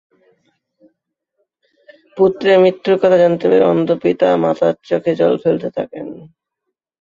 পুত্রের মৃত্যুর কথা জানতে পেরে অন্ধ পিতা-মাতা চোখের জল ফেলতে থাকেন।